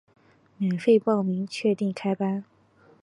免费报名，确定开班